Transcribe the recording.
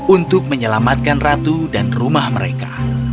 untuk menyelamatkan ratu dan rumah mereka